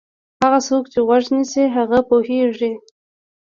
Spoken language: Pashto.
هغه څوک چې غوږ نیسي هغه پوهېږي.